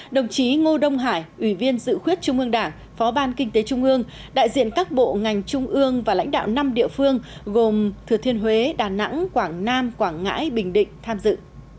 đồng chí ngô đông hải ủy viên dự khuyết trung ương đảng phó ban kinh tế trung ương đại diện các bộ ngành trung ương và lãnh đạo năm địa phương gồm thừa thiên huế đà nẵng quảng nam quảng ngãi bình định tham dự